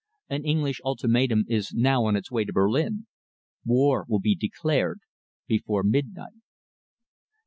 An English ultimatum is now on its way to Berlin. War will be declared before midnight."